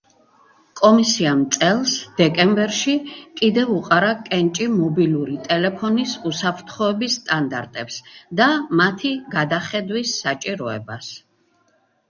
კომისიამ წელს, დეკემბერში კიდევ უყარა კენჭი მობილური ტელეფონის უსაფრთხოების სტანდარტებს და მათი გადახედვის საჭიროებას.